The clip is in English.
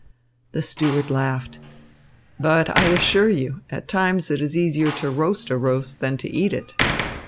The steward laughed! "But I assure you, at times it is easier to roast a roast than to eat it."